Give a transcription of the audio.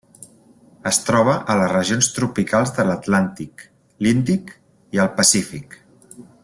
Es troba a les regions tropicals de l'Atlàntic, l'Índic i el Pacífic.